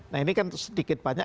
nah ini kan sedikit banyak